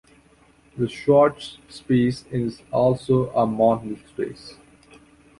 The Schwartz space is also a Montel space.